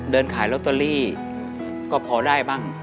เดินขายลอตเตอรี่ก็พอได้บ้าง